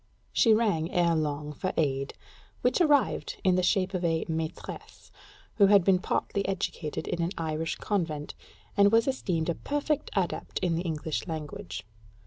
She rang, ere long, for aid; which arrived in the shape of a "maîtresse," who had been partly educated in an Irish convent, and was esteemed a perfect adept in the English language.